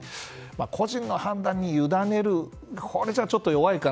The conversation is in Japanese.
個人の判断にゆだねるじゃちょっと弱いかな。